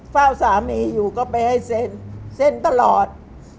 เฝ้าสามีอยู่ก็ไปให้เซ็นเซ็นตลอด